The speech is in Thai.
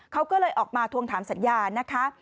เขาก็เลยออกมาทวงถามสัญญานะคะ